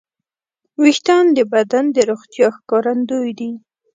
وېښتيان د بدن د روغتیا ښکارندوی دي.